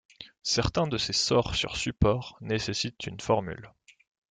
Certains de ces sorts sur supports nécessitent une formule.